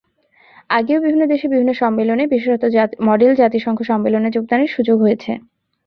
আগেও বিভিন্ন দেশে বিভিন্ন সম্মেলনে, বিশেষত মডেল জাতিসংঘ সম্মেলনে যোগদানের সুযোগ হয়েছে।